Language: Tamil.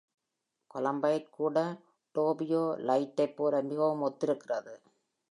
கொலம்பைட் கூட டேபியோலைட்டைப் போல மிகவும் ஒத்திருக்கிறது.